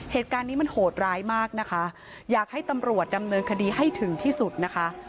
เหตุการณ์นี้มันโหดร้ายมากนะคะอยากให้ตำรวจดำเนินคดีให้ถึงที่สุดนะคะ